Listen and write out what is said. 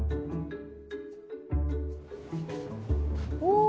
お！